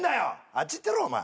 あっち行ってろお前。